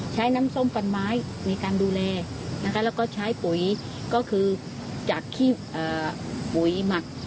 ใช้น้ำส้มฟันไม้ในการดูแลนะคะแล้วก็ใช้ปุ๋ยก็คือจากขี้ปุ๋ยหมัก